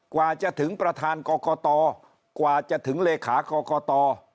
กว่าจะถึงประธานกรกตกว่าจะถึงเลขากรกต